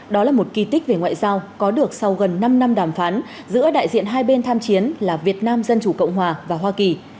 đó là một kỳ tích về ngoại giao có được sau gần năm năm đàm phán giữa đại diện hai bên tham chiến là việt nam dân chủ cộng hòa và hoa kỳ